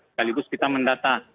sekaligus kita mendata